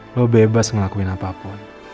lo bebas ngelakuin apapun